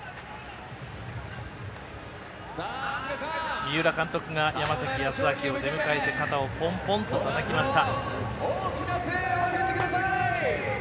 三浦監督が山崎康晃を出迎えて肩をポンポンとたたきました。